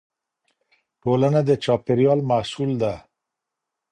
ټولنه د چاپېريال محصول ده.